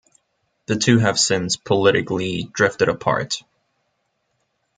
The two have since politically drifted apart.